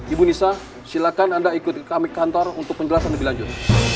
ibu nisa silakan anda ikut kami ke kantor untuk penjelasan lebih lanjut